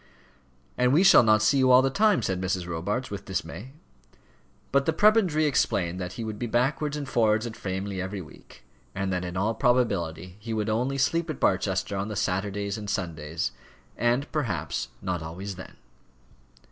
"And we shall not see you all the time," said Mrs. Robarts with dismay. But the prebendary explained that he would be backwards and forwards at Framley every week, and that in all probability he would only sleep at Barchester on the Saturdays and Sundays and, perhaps, not always then.